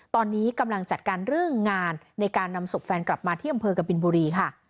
ตอนนี้กำลังจัดการเรื่องงานในการนำศพแฟนกลับมาที่อำเภอกบินบุรีค่ะ